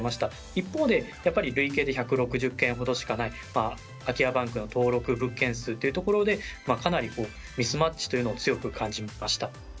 一方で、やっぱり累計で１６０軒ほどしかない空き家バンクの登録物件数というところでミスマッチを強く感じました。